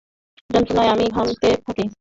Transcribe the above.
যন্ত্রণায় আমি ঘামতে থাকি।